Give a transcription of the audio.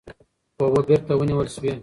اوبه بېرته ونیول سوې.